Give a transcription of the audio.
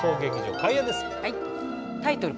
タイトル